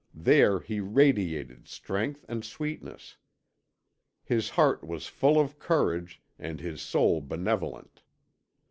There he radiated strength and sweetness. His heart was full of courage and his soul benevolent.